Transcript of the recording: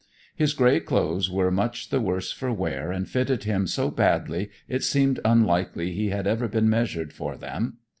His grey clothes were much the worse for wear and fitted him so badly it seemed unlikely he had ever been measured for them.